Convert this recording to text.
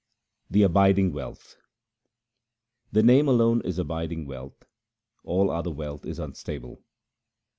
The abiding wealth :— The Name alone is abiding wealth ; all other wealth is unstable.